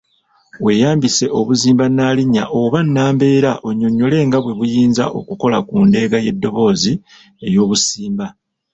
Weeyambise obuzimba nnalinnya oba nnambeera onnyonnyole nga bwe buyinza okukola ku ndeega y’eddoboozi ey’obusimba.